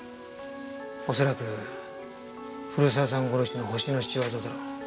おそらく古沢さん殺しのホシの仕業だろう。